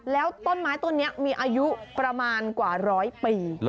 แล้วต้นไม้ต้นนี้มีอายุประมาณกว่าร้อยปี